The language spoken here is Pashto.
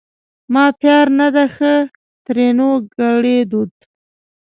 ما پیار نه ده ښه؛ ترينو ګړدود